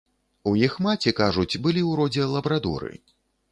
У іх маці, кажуць, былі ў родзе лабрадоры.